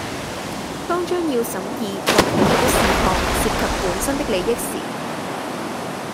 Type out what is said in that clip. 當將要審議或討論的事項涉及本身的利益時